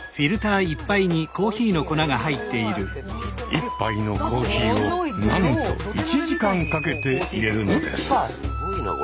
１杯のコーヒーをなんと１時間かけていれるのです。